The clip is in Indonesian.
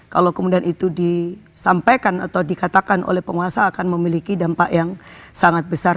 kalau kemudian itu disampaikan atau dikatakan oleh penguasa akan memiliki dampak yang sangat besar